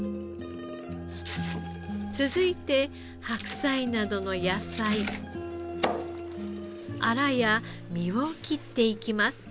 続いて白菜などの野菜あらや身を切っていきます。